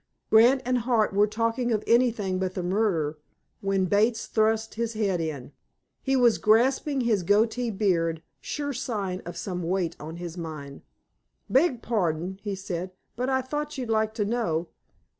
Grant and Hart were talking of anything but the murder when Bates thrust his head in. He was grasping his goatee beard, sure sign of some weight on his mind. "Beg pardon," he said, "but I thought you'd like to know.